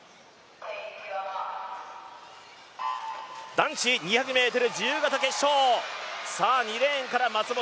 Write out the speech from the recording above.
男子２００ｍ自由形決勝２レーンから松元。